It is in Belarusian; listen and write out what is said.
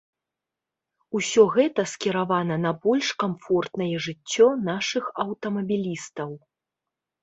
Усё гэта скіравана на больш камфортнае жыццё нашых аўтамабілістаў.